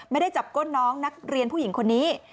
ไม่ได้จับก้นน้องนักเรียนผู้หญิงคนนี้